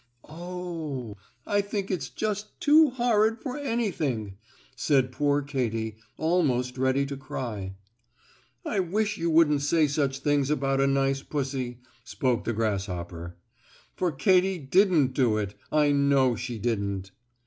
"Oh, I think it's just too horrid for anything!" said poor Katy, almost ready to cry. "I wish you wouldn't say such things about a nice pussy," spoke the grasshopper. "For Katy didn't do it. I know she didn't."